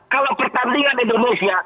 kalau pertandingan indonesia